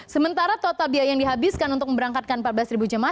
sementara total biaya yang dihabiskan untuk memberangkatkan empat belas jemaah